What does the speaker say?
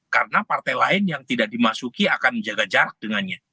karena partai lain yang tidak dimasuki akan menjaga jarak dengannya